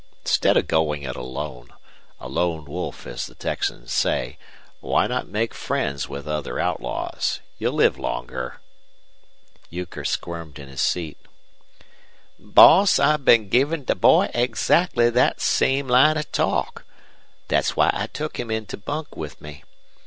Instead of going it alone a lone wolf, as the Texans say why not make friends with other outlaws? You'll live longer." Euchre squirmed in his seat. "Boss, I've been givin' the boy egzactly thet same line of talk. Thet's why I took him in to bunk with me.